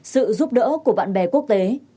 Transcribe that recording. sự giúp đỡ của bạn bè quốc tế